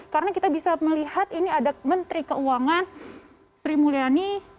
karena kita bisa melihat ini ada menteri keuangan sri mulyani